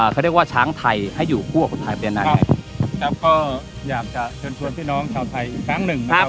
เขาเรียกว่าช้างไทยให้อยู่คู่กับคนไทยไปยังไงครับก็อยากจะเชิญชวนพี่น้องชาวไทยอีกครั้งหนึ่งนะครับ